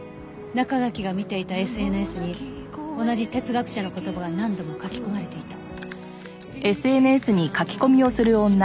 中垣が見ていたＳＮＳに同じ哲学者の言葉が何度も書き込まれていた。